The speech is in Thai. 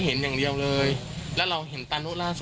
เท่าแก่เรียกไปหาที่บ้านหรอครับ